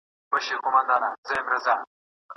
خو شعر په مشخصه او ټاکلې ژبه لیکل کیږي